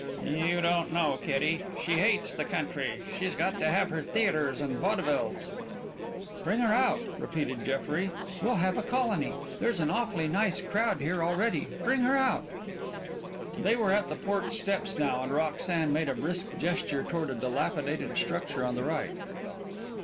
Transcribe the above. "You don't know Kitty. She hates the country. She's got to have her theatres and vaudevilles." "Bring her out," repeated Jeffrey. "We'll have a colony. There's an awfully nice crowd here already. Bring her out!" They were at the porch steps now and Roxanne made a brisk gesture toward a dilapidated structure on the right.